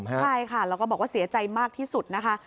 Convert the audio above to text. ใช่ค่ะแล้วก็บอกว่าเสียใจมากที่สุดนะคะ